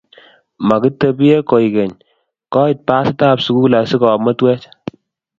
Makitebi koek keny, koit basit ab sukul asikomtuech